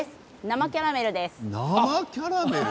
生キャラメルです。